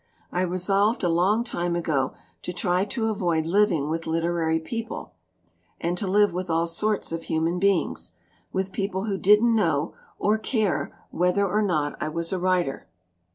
I resolved a long time ago to try to avoid living with literary people and to live with all sorts of human beings with people who didn't know or care whether or not I was a writer.